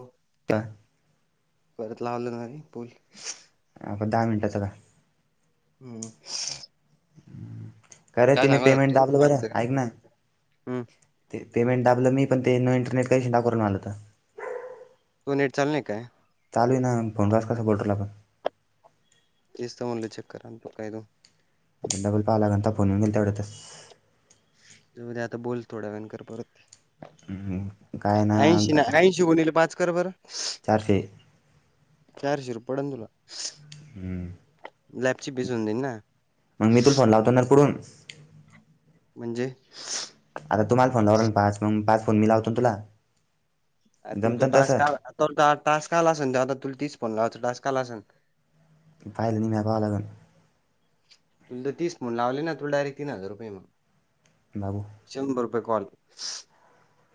हो त्ता परत लावलं ना रे पूल हा पण दहा मिनटाचा का? हम्म. खरे काय तीने सांगत होता पेमेंट तू दाबलं बरं! खायचं काय ऐक ना. हम्म ते पेमेंट दाबलं मी पण ते न इंटरनेट काही [unintelligible] करून आलं तर तू नेट चालु नाही काय? चालू आहे ना फोनगस कसं बोलतो आपण. तेच तर म्हणलं चेक करा आणि पका तो. बल पाहालाता फोन येनेल तेवढंतर तु उद्या आता बोल थोड्यावेळानं कर परत. हम्म गाय नाय आणता का शिवानी पाच कर बरं चारशे. चार शिरो पडनं तुला [unintelligible] दे ना लावतणार पडुन म्हणजे? आता तुम्हाला फोन लाव ना पाच म पाच फोन मी लावतो ना तुला अरं तुला तो जमतं ना टास्क तसं आला का टास्क आला असेन आता तुला तीस फोन लावायचा टास्क आला असनं. पाहिला नाही म्या पाहावं लागलं तु तर तीस फोन लावले ना तु डायरेक्ट तीन हजार रूपये मग. बाघू. शंभर रुपये कॉल.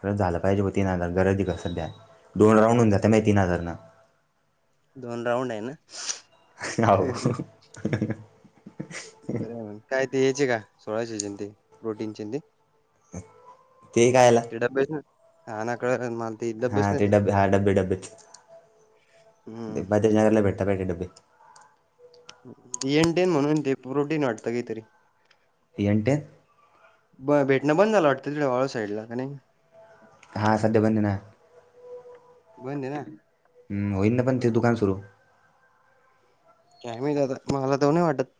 खरं झालं पाहिजे ब तीन हजार गरज दि ग सध्या दोन राऊंड होन जातं माये तीन हजारनं. दोन राऊंड आहे ना. यावु बर आहे मण काय ते यायचे का सोळाशेचें ते प्रोटीनचें ते ते कायला ते डब्बेच ना हो ना कळलं ना मला ते हा डब्बेच ना ते डबे हा डब्बे डब्बेच ते हम्म बद्रेज नगरला भेटतात पाहाय ते डबे. एनडीन म्हणून ते प्रोटीन वाटतं काहीतरी. एन्टेन ब भेटण बंद झालं वाटतं त वाळूज साईडला का नाही हां सध्या बंद ये ना बंद ये ना हं होईल ना पण ते दुकान सुरू काय माहीत आता मला तर नाही वाटत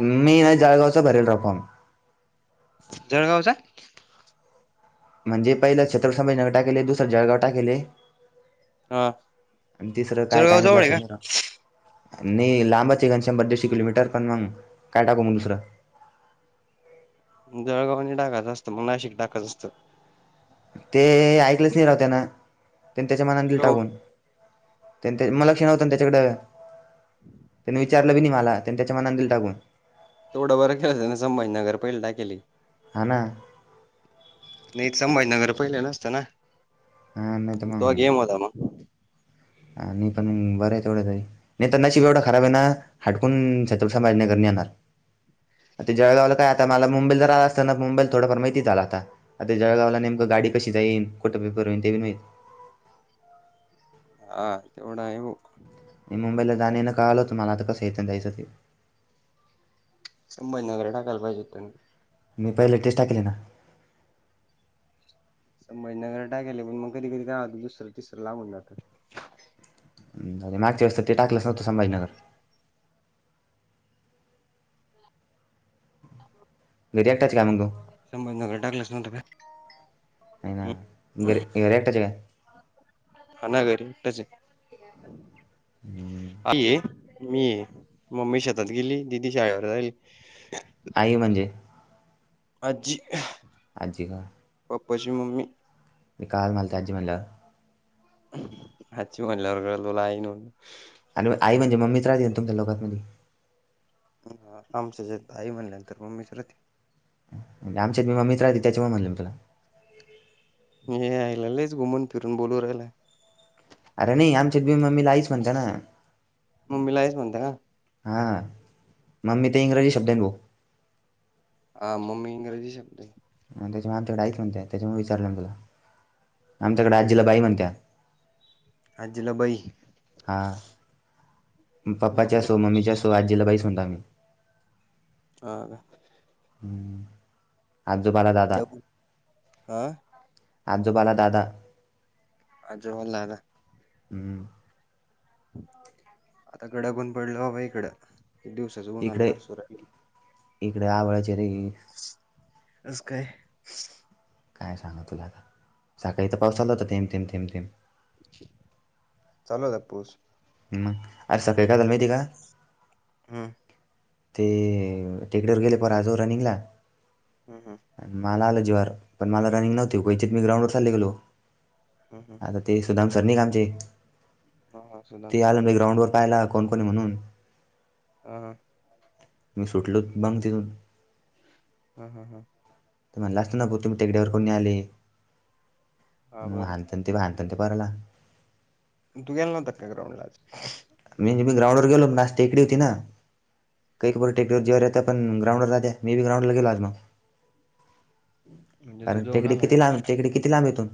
मी ये ना जळगावचा भरेल राव फॉर्म जळगावचा म्हणजे पहिले छत्रसभाजी नगर टाकेले दुसरे जळगाव टाकेले हा आणि तिसरं काय जळगाव काय माहीत जवळ लक्षात का? नाही आहे राव नाही लांबाचे घन शंभर दीडशे किलोमीटर पण मग काय टाकू मग दुसरं जळगाव नाही टाकाचं असतं मग नाशिक टाकाच असतं ते ऐकलेच नाही राव त्यान त्यांनी त्याच्या मनान दिल हो टाकून मा लक्ष नव्हत त्याच्याकडे त्यांनी विचार मला त्यां त्याच्या मनानं दिल टाकून तेवढा बर केल त्यान संभाजीनगर पहिलं टाकेले हा ना नाही संभाजीनगर पहिले नसत ना हा नाही तर तोव्हा गेम होता मग हा नाही पण बर आहे तेवढ् तरी नहीं तो नसीब येवड खराब आहे ना हाटकून छत्रपती संभाजीनगर नाही येणार ते जेळगवलं काय आता मला मुंबईल आला असताना मुंबईला थोडाफार माहिती झाला आता आता जळगावला नेमक गाडी कशी जाईल कुठं पेपर ते नाही मा हा तेवढा आहे भो म मुंबईला जाण येन कळलं होत मला आता कसं यायचं आन जायचं ते संभाजीनगर टाकायला पाहिजे होत त्यांनी मी पहिले तेच टाकेल ये ना संभाजीनगर टाकेल पण मग कधी कधी काय होत दुसरं तिसर लागुन जातं जाऊदे मागच्या वेळेस तर ते टकलंच नव्हं संभाजनगर घरी एकटाच आहे का मग तू संभजनगर टाकलच नव्हतं नाही ना हम्म घरी घरी एकटाच आहे का हा ना घरी एकटाच आहे हम्म. आ ये मी ये मम्मी शेतात गेली दिदी शाळेवर जायले आई म्हणजे अज्जी आज्जी का पप्पाची मम्मी. ते कळाल मला ते आजी म्हणल्याव. आजी म्हणाल्या वर कळलं तूला आई नव्हं आणि आई म्हणजे मम्मीच राहते ना तुमच्या लोकांमध्ये? आमच्या हेज्यात आई म्हणल्यानंतर मम्मीच राहती. म्हणजे आमच्या हित मम्मीच राहाती त्याच्यामुळ म्हणलं मी तुला. हे आयला लईच घुमून फिरून बोलू राहिलाय. अरे नाही आमच्यात बी मम्मीला आईच म्हणत्या ना, मम्मीला आईच म्हणता का हा, मम्मी ते इंग्रजी शब्द लिहू. हा मम्मी इंग्रजी शब्द ये. हा त्याच्यामुळ आमच्याकड आईच म्हणत्या त्याच्यामुळ विचारलं मी तुला आमच्याकड हम्म हम्म आजीला बाई म्हणत्या. आजीला बई हा, पप्पाच्या बापरे असो, मम्मीच्या असो, आजीला बाईच म्हणतो आम्ही. हा काय? आजोबाला दादा कडक हा आजोबाला दादा आजोबाला दादा हम् आता कडक ऊन पडलं बाबा इकडं, किती दिवस इकडे इकडे आवळ्याच्या रेघी अस काय? काय सांगु तुला आता, सकाळी इथं पाऊस आलता होता, थेंब, थेंब, थेंब, थेंब. चालू आहे का पाऊस. मग, आज सकाळी काय झाल माहिती का? हम् ते टेकड्यावर गेले पर आजो रनिंगला हं, हं. मला आलं जीवावर पण मला रनिंग नव्हती क्वचित मी ग्राउंड वर चालले गेलो हम्म हम्म आता ते सुदाम सर निघ आमचे हा हा. सुदाम ते सर आला बॅकग्राऊंड वर पाहिला कोण कोण म्हणून. हा हा मी सुटलो [unintelligible] हा हा हा मलाच नको तुम्ही तिघड्या वर कोणी आले, हा बरोबर आहे. [unintelligible] ते बांध ते बाराला तू गेला नव्हता का ग्राउंडला आज. म्हणजे मी ग्राउंडवर गेलो मास् टेकडी होती ना, काही खर हा टेकवर [unintelligible] पण ग्रांडला जातीया मी बी ग्राउडला गेलो आज मग, म्हणजे तू कारण जाऊन टेकडी आलाय? किती लांब टेकडी किती किती लांब इथून?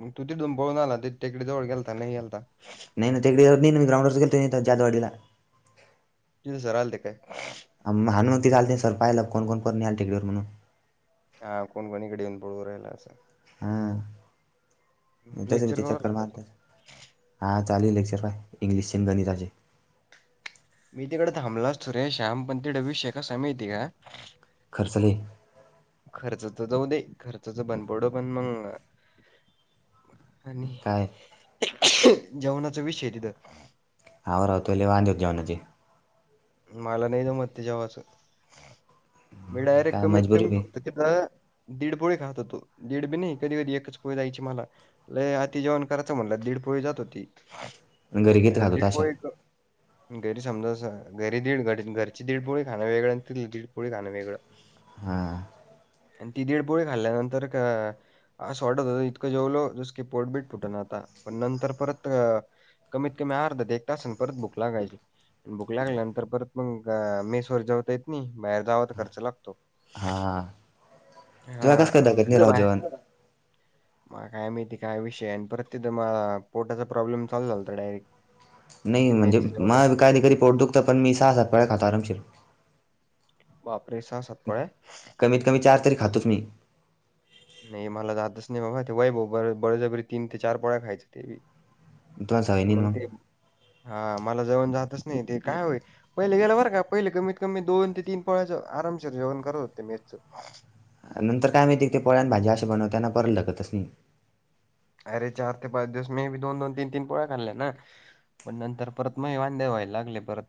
म तू तिथुनं पळून आला ते टेकडी जवळ गेलता, नाही गेलता. नाही नाही टेकडीवर नाही मी ग्रांऊडलाच गेलो होतो जाधववाडीला. तिज सर आलते काय? [unintelligible] काल ते सर पाहियला कोण कोण पण याल टेकडीवर म्हणून हा कोणकोण हिकडं येऊन पळवू राहिल आस. हा, तस ते लेक्चर बी करू चक्कर लागला तो. मारत्यात. हां चालेल लेक्चर ला इंग्लिशचे गणिताचे मी तिकड थांबलो असतो रे शाम पण तिड विषय कसाये माहितीे का खर्च लई खर्चच जाऊ दे खर्चच भंडपडो पण मग आणि काय जेवणाचा विषय तिथं हा राव ते लई वाधेत जेवनाचे मला नाही जमत ते जेवाच मी डायरेक्ट काय कमीत मजबुरी कमी बी फक्त तिथं, दीड पोळी खात होतो, दीड बी नाही कधी कधी एकच पोळी जायची मला. लय अति जेवण करायचं म्हणलं, दीडपोळी जात होती घरी किती आणि खात होता अशा दीडपोळी गैर समजा स घरी दीड घर घरची दीडपोळी खांन वेगळं आणि तिथली दीडपोळी खाण वेगळं, हा ती दीड पोळी खाल्ल्यानंतर का आ अस वाटत इतकं जेवलो जस की पोटबीट फुट न आता पण नंतर परत अ कमीत कमी अर्धा ते एक तासन परत भुक लागायची आणि भूक लागल्या नंतर परत मग मेसवर जेवता येत नाही, बाहेर जाव तर खर्च लागतो. हां हा तुला कसं काय धकत नाही तीथं राव भाय जेवण माला काय माहिती काय विषय आहे आणि परत तिथं मा पोटाचा प्रॉब्लेम चालू झालता डायरेक्ट. नाही ते म्हणजे मेसचं जेवण माह बी काही कधी पोट दुखतं पण मी सहा सात पोळ्या खातो आरमशीर. बापरे सहा सात पोळ्या. कमीत कमी चार तरी खातोच मी. नाही मला जातच नाही बाबा ते वैभव ब-बळजबरी तीन ते चार पोळ्या खायच ते बी तुला सवय नाही मंग ना ते मग हा माला जेवन जातच नाही ते काय होय. पहिले गेलं बरं का पहिले कमीत कमी दोन ते तीन पोळ्याच आरामशीर जेवन करत होते मेसच. नंतर काय माहितीय ते पोळ्या नं भाजी अशी बनवत्यांना परलगतस नही. अरे चार ते पाच दिवस मीबी दोन दोन, तीन तीन, पोळ्या खाल्ल्या ना. पण नंतर परत महे वांदे व्हायला लागले परत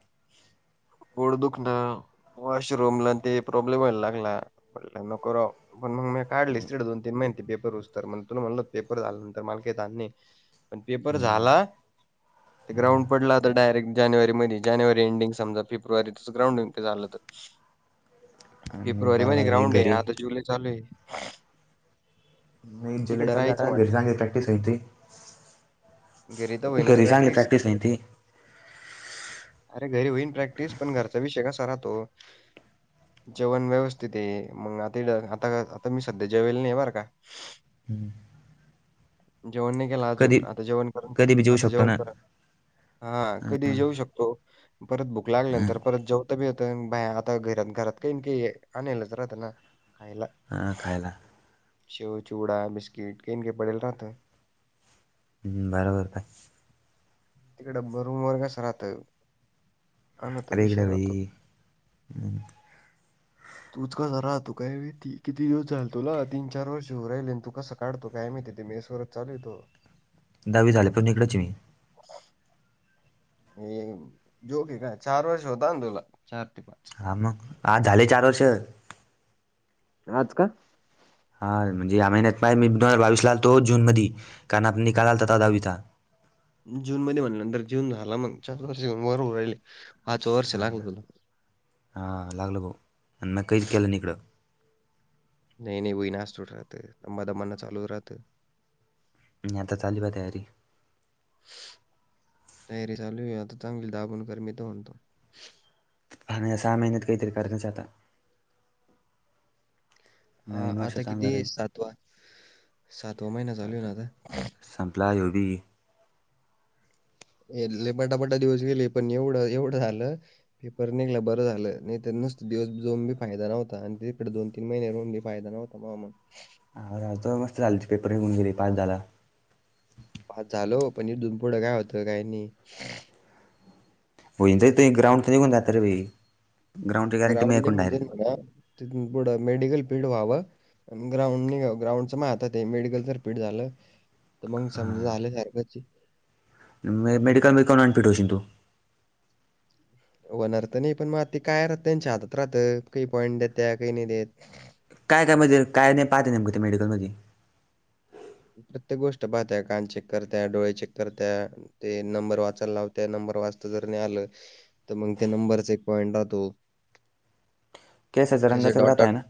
पोट दुखणं. वॉशरूमला नं ते प्रॉब्लेम व्हायला लागला म्हणलं नको राव अन मंग म्या काढलेच तिड दोन तीन महिन ते पेपर होऊस्तर म्हण तुला म्हणलं होत पेपर झाल्या नंतर माल काही ताण नाही. पण पेपर हम्म. झाला ते ग्राउंड पडल आता डायरेक्ट जानेवारीमधी जानेवारी एंडिंग समजा फेब्रुवारीच ग्राउंड होईल ते झालंत. आणि फेपूरवारी मध्ये बरोबर आहे ग्राउंड हे घरी आता जुलै चालूय. नही जुलै चालू आहे. आता राहायचं घरी म्हणलं. चांगली प्रॅक्टीस होयती, घरी तर होईनच घरी चांगली प्रॅक्टिस. प्रॅक्टीस होयती अरे घरी होईन प्रॅक्टिस पण घरचा विषय कसा राहतो. जेवण व्यवस्थित हे मग आता इड आता, आता मी सध्या जेवेल नाही बर का. [inaudible] जेवण नाही केल अजून कधी आता जेवण करतं कधी बी जेऊ आता शकतो जेवण ना करत हा कधी जेऊ शक तो परत भूक हां लागल्यानंतर परत जेव तबियत नं भा आता घरात, घरात काही नं काही आनेलच राहत ना खायला. हां खायला. शेव, चिवडा, बिस्किट काहींनं काही पडेल राहत. हूं बराबर काय. तिकडं ब रूम वर कस राहत. हा ना तो अरे विषय इकडे राहतो. भाई तूच कसा राहतो काय माहिती, किती दिवस झाले तुला तीन चार वर्ष होऊं राहिल नं तू कसं काढतो काय माहिती, ते मेसवरच चालूय तो. दहावी झाले पण इकडच ये मी. हे जोक हे का चार वर्ष होता तुला, चार ते पाच. हा मग आ झाले चार वर्ष. आज का? हा म्हणजे या महिन्यात पाह मी दोन हजार बावीस आलतो जून मधी, कारण आत निकाल आलता तवा दहावीचा. जून मध्ये म्हणल्या नंतर जून झाला मग चार वर्ष वर हू राहिले पाच वर्ष लागलं तुला. हा लागलं भाऊ आण म्या कहीच केलं नाही इकडं. नही नही हूईन असं थोडी राहत, दमा दमानं चालु राहत. नाही आता चालली बा तयारी. तयारी चालू आहे आता चांगली दाबून कर मी त म्हणतो. हा ना यां सहा महिन्यात काहीतरी करणच हे आता. हा नवीन वर्ष आता चांगलं किती राहील सातवा, सातवा महिना चालू आहे ना आता. संपला ह्यो बी. हे लय पटापटा दिवस गेले, पण एवढं-एवढं आलं. पेपर निघला बरं झालं, नाही तर नुसतं दिवस जऊन बी, फायदा नव्हता आणि तिकडं दोन तीन महिने राहून बी फायदा नव्हता, मा म्हं. हा तवा मस्त झाल ते पेपर निघून गेले, पास झाला. पास झालो, पण इथुन फुडं काय होतं, काय नही. होईन जाई तू, ग्राउंड तर निघून जातय, रे भाई. ग्राउंडची गॅरंटी मी ग्राउंड ऐकून निघून जाईल डायरेक्ट म्हणा, तिथून पुढं मेडिकल फील्ड व्हावं. अन ग्राउंड निघाव, ग्राउंडच माया हातात ये, मेडिकल तर फिट झालं तर मंग समजा झाल्या सारखंचे. म- मेडिकल मध्ये, कामन अनफिट होशील तू? व्हणार त नही, पण मग आते काय राहत त्यांच्या हातात राहतं, काही पॉईंट देत्या, काही नाही देत. काय काय, म्हणजे काय नही पाहत नेमकं, ते मेडिकलमधी,? प्रत्येक गोष्ट पाहत्या, कान चेक करत्या, डोळे चेक करत्या. ते नंबर वाचाय लावत्या, नंबर वाचता जर नही आलं, तर मग ते नंबरचा, एक पॉईंट राहतो. केसाचा ते ज्या रंगाचा राहत डॉट-डॉट. आहे ना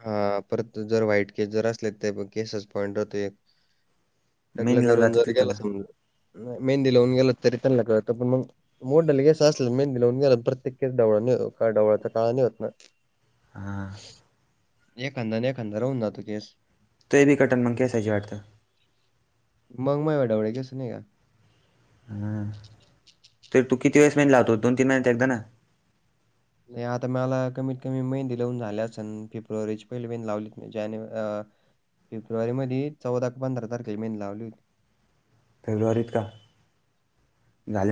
हा, परत जर व्हाईट केस जर असले, ते केसाचा पॉइंट राहतो एक. टकलं मेहंदी लावून करून जातात की जरी तिथं गेलास समजा, मेहंदी लावून गेला, तरी त्यांना कळत, पण मग मोठाले केसं असले, मेहंदी लाऊन गेला, न प्रत्येक केस ढवळा नही, ढवळत काळा नही होत ना? हां. एखांदा, न एखांदा, राहून जातो, केस. ते बी कटन, मग केसाची वाटतं. मंग मायाव ढवळे केस नाय, हात? हम, तर तू किती वेळेस मेहंदी लावतो, दोन तीन महिन्यात एकदा ना? नाही आता माला, कमीत-कमी मेंदी लावून झाल्या असन, फेब्रुवारीची पहिली मेंदी लावली, ती ना जानेव् अ फेब्रुवारी मदि, चौदा का पंधरा तारखेला मेंदी लावली होती. फेब्रुवारीत का? झाले